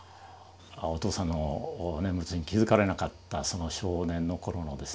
お父さんの念仏に気付かれなかったその少年の頃のですね